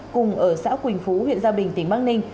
cùng ở xã quỳnh phú huyện gia bình tỉnh bắc ninh